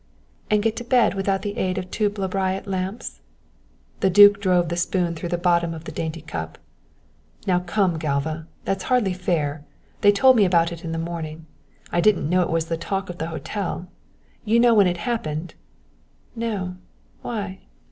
"And get to bed without the aid of two Bleriot lamps?" The duke drove the spoon through the bottom of the dainty cup. "Now come, Galva, that's hardly fair; they told me about it in the morning. I didn't know it was the talk of the hotel. You know when it happened?" "No why?"